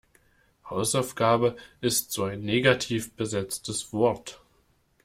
Hausaufgabe ist so ein negativ besetztes Wort.